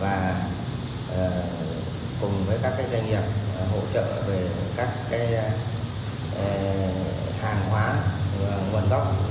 và cùng với các doanh nghiệp hỗ trợ về các hàng hóa nguồn gốc